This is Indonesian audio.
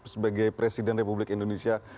sebagai presiden republik indonesia